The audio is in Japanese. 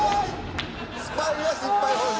スパイは失敗報酬